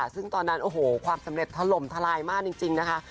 ซึ่งตอนนั้นโอ้โหความสำเร็จถล่มทลายมากจริงนะคะ